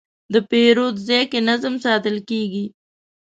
د پیرود ځای کې نظم ساتل کېږي.